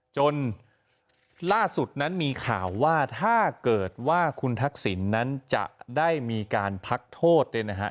จนล่าสุดนั้นมีข่าวว่าถ้าเกิดว่าคุณทักษิณนั้นจะได้มีการพักโทษเนี่ยนะฮะ